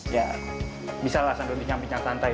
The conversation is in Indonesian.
ya bisa lah sandun pincang pincang santai